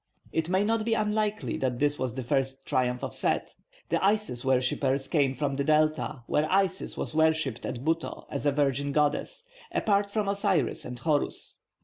It may not be unlikely that this was the first triumph of Set. The Isis worshippers came from the Delta, where Isis was worshipped at Buto as a virgin goddess, apart from Osiris or Horus.